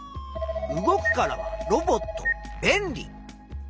「動く」からは「ロボット」「べんり」。